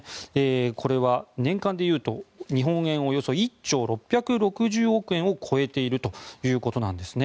これは年間で言うと日本円でおよそ１兆６６０億円を超えているということなんです。